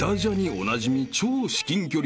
おなじみ超至近距離シリーズ］